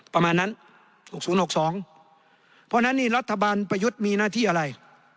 ประมาณนั้น๖๐๖๒เพราะฉะนั้นนี่รัฐบาลประยุทธ์มีหน้าที่อะไร